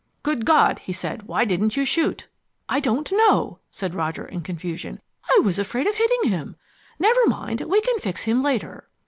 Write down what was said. "Good God," he said, "why didn't you shoot?" "I don't know" said Roger in confusion. "I was afraid of hitting him. Never mind, we can fix him later."